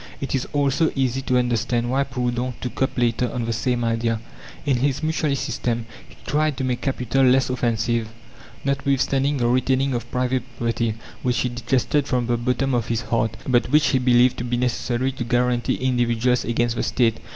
It is also easy to understand why Proudhon took up later on the same idea. In his Mutualist system he tried to make Capital less offensive, notwithstanding the retaining of private property, which he detested from the bottom of his heart, but which he believed to be necessary to guarantee individuals against the State.